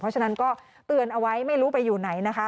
เพราะฉะนั้นก็เตือนเอาไว้ไม่รู้ไปอยู่ไหนนะคะ